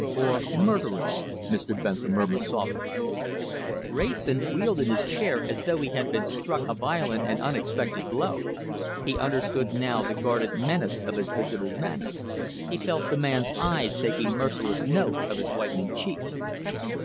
"Or murderess," Mr. Bentham murmured softly. Wrayson reeled in his chair as though he had been struck a violent and unexpected blow. He understood now the guarded menace of his visitor's manner. He felt the man's eyes taking merciless note of his whitening cheeks.